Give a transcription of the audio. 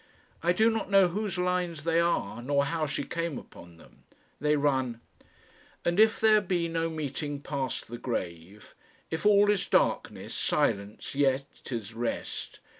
I do not know whose lines they are nor how she came upon them. They run: "And if there be no meeting past the grave; If all is darkness, silence, yet 'tis rest.